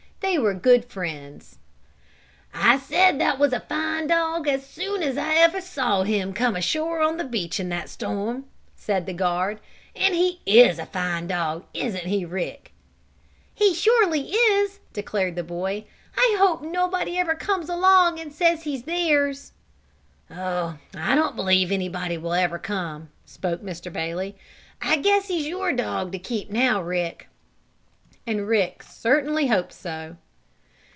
They were good friends. "I said that was a fine dog, as soon ever as I saw him come ashore on the beach in that storm," said the guard. "And he is a fine dog; isn't he, Rick?" "He surely is!" declared the boy. "I hope nobody ever comes along and says he's theirs." "Oh, I don't believe anybody will ever come," spoke Mr. Bailey. "I guess he's your dog to keep now, Rick." And Rick certainly hoped so.